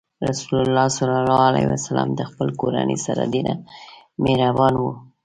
رسول الله ﷺ د خپلې کورنۍ سره ډېر مهربان و.